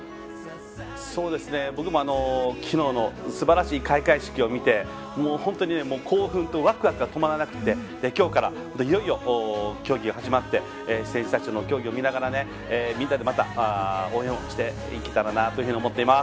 僕もきのうのすばらしい開会式を見て本当に興奮とワクワクが止まらなくてきょうからいよいよ競技が始まって選手たちの競技を見ながらみんなでまた応援をしていけたらなと思っています。